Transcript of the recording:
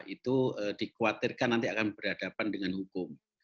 itu dikhawatirkan nanti akan berhadapan dengan hukum